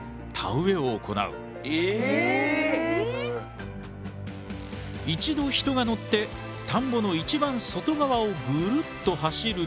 一度人が乗って田んぼの一番外側をぐるっと走ると。